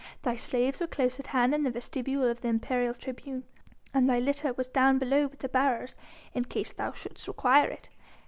"Thy slaves were close at hand in the vestibule of the imperial tribune, and thy litter was down below with the bearers, in case thou shouldst require it.